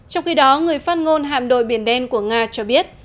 trong khi đó người phát ngôn hạm đội biển đen của nga cho biết